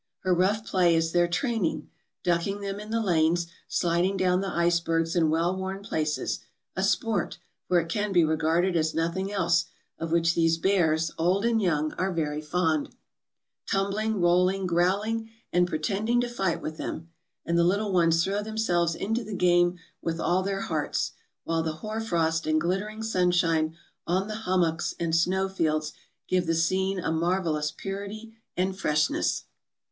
Her rough play is their training: ducking them in the lanes, sliding down the icebergs in well worn places — a sport, for it can be regarded as nothing else, of which these bears, old and young, are very fond — "tumbling, rolling, growling, and pretending to fight with them; and the little ones throw themselves into the game with all their hearts; while the hoarfrost and glittering sunshine on the hummocks and snow fields give the scene a marvelous purity and freshness."